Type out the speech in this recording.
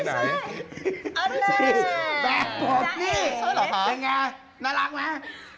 ซัตครอบค่ะยังงะน่ารักมาก